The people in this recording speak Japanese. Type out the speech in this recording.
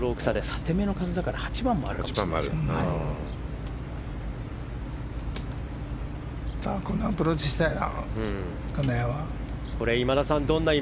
縦めの風だから８番もあるかもしれない。